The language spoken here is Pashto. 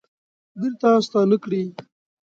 بیرته ستانه کړي